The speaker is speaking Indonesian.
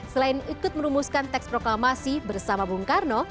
selain ikut merumuskan teks proklamasi bersama bung karno